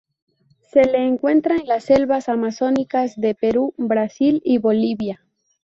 Se le encuentra en las selvas amazónicas de Perú, Brasil y Bolivia.